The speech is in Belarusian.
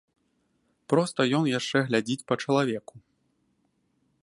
Проста ён яшчэ глядзіць па чалавеку.